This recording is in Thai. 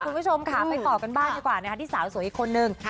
คุณผู้ชมค่ะไปต่อกันบ้างดีกว่านะคะที่สาวสวยอีกคนนึง